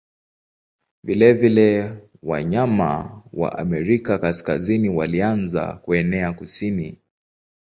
Vilevile wanyama wa Amerika Kaskazini walianza kuenea kusini.